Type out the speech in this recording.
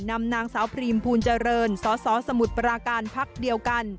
นำนางสาวพรีมภูลเจริญสสสสมุทรปราการพักเดียวกัน